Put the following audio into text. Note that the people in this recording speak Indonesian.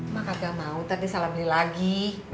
mak gak mau ntar disalamili lagi